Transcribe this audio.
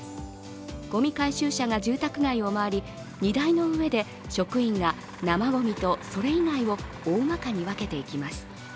ごみ回収車が住宅街を回り、荷台の上で職員が生ごみとそれ以外を大まかに分けていきます。